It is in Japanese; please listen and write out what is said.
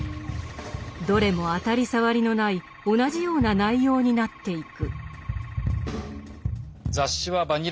どれも当たり障りのない同じような内容になっていく。